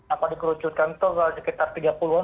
apa dikerucutkan itu sekitar tiga puluh an